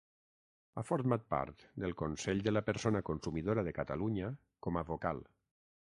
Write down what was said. Ha format part del Consell de la Persona Consumidora de Catalunya com a vocal.